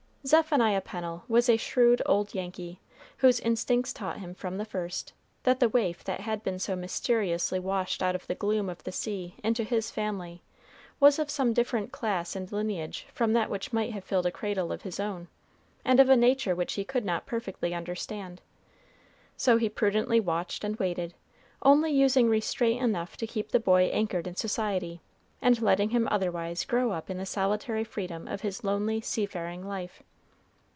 Zephaniah Pennel was a shrewd old Yankee, whose instincts taught him from the first, that the waif that had been so mysteriously washed out of the gloom of the sea into his family, was of some different class and lineage from that which might have filled a cradle of his own, and of a nature which he could not perfectly understand. So he prudently watched and waited, only using restraint enough to keep the boy anchored in society, and letting him otherwise grow up in the solitary freedom of his lonely seafaring life.